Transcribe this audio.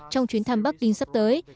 trong chuyến thăm bắc kinh sắp tới